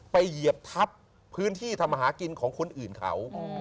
เหยียบทับพื้นที่ทำอาหารกินของคนอื่นเขา